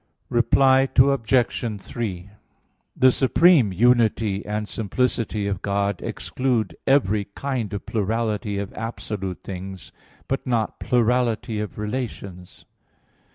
Reply Obj. 3: The supreme unity and simplicity of God exclude every kind of plurality of absolute things, but not plurality of relations.